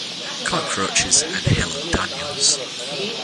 Cockroaches and Helen Daniels.